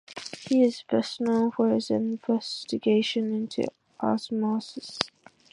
He is best known for his investigation into osmosis.